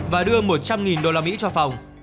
và đưa một trăm linh usd cho phong